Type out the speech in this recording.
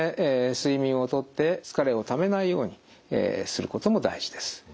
睡眠をとって疲れをためないようにすることも大事です。